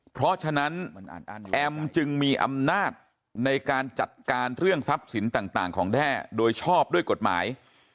เพราะฉะนั้นแอมจึงมีอำนาจในการจัดการเรื่องทรัพย์สินต่างของแด้โดยชอบด้วยกฎหมาย